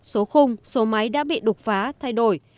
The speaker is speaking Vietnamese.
số khung số máy đã bị đột phá thay đổi